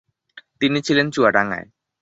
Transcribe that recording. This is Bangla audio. তিনি ছিলেন চুয়াডাঙ্গায়।